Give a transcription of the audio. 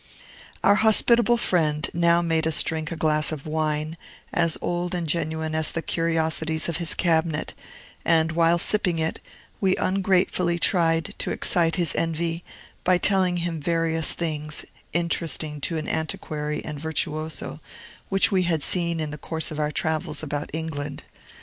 Our hospitable friend now made us drink a glass of wine, as old and genuine as the curiosities of his cabinet; and while sipping it, we ungratefully tried to excite his envy, by telling of various things, interesting to an antiquary and virtuoso, which we had seen in the course of our travels about England.